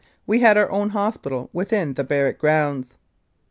We had our own hospital within the barrack grounds.